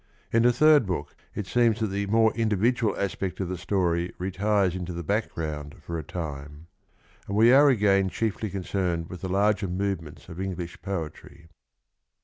In the third book it seems that the more individual aspect of the story retires into the background for a time, and we are again chiefly concerned with the larger movements of English poetry.